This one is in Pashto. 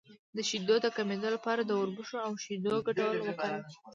د شیدو د کمیدو لپاره د وربشو او شیدو ګډول وکاروئ